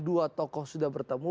dua tokoh sudah bertemu